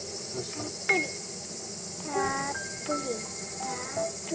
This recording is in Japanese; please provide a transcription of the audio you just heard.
たっぷりたっぷり。